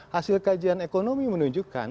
hasil kajian ekonomi menunjukkan